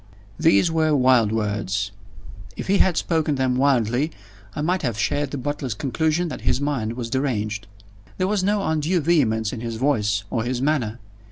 These were wild words. If he had spoken them wildly, I might have shared the butler's conclusion that his mind was deranged. There was no undue vehemence in his voice or his manner.